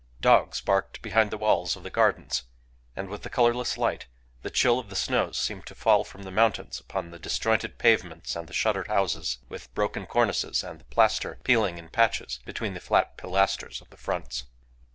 Dogs barked behind the walls of the gardens; and with the colourless light the chill of the snows seemed to fall from the mountains upon the disjointed pavements and the shuttered houses with broken cornices and the plaster peeling in patches between the flat pilasters of the fronts.